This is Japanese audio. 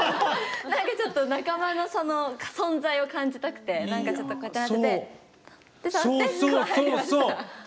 何かちょっと仲間の存在を感じたくて何かちょっとこうやってなっててって触ってこう入りました。